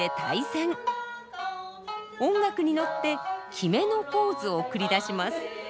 音楽に乗って決めのポーズを繰り出します。